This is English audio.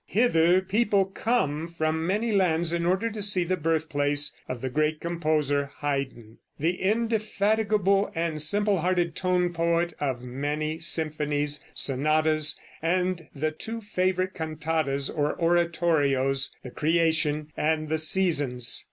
Hither people come from many lands in order to see the birthplace of the great composer Haydn, the indefatigable and simple hearted tone poet of many symphonies, sonatas, and the two favorite cantatas or oratorios, the "Creation" and the "Seasons."